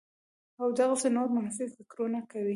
او دغسې نور منفي فکرونه کوي